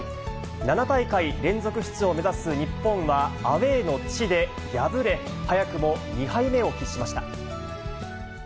７大会連続出場を目指す日本は、アウエーの地で敗れ、早くも２敗目を喫しました。